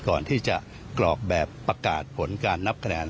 ก่อนที่จะกรอกแบบประกาศผลการนับคะแนน